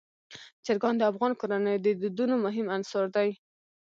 چرګان د افغان کورنیو د دودونو مهم عنصر دی.